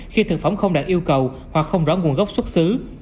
khi thực phẩm không đạt yêu cầu hoặc không rõ nguồn gốc xuất xứ